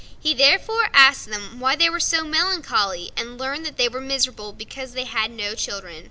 He therefore asked them why they were so melancholy, and learned that they were miserable because they had no children.